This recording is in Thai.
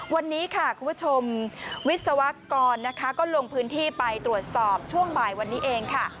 วันนี้ค่ะคุณผู้ชมวิศวกรนะคะก็ลงพื้นที่ไปตรวจสอบช่วงบ่ายวันนี้เองค่ะ